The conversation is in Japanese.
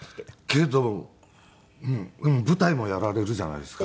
けど舞台もやられるじゃないですか。